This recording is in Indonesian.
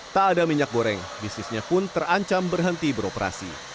tak ada minyak goreng bisnisnya pun terancam berhenti beroperasi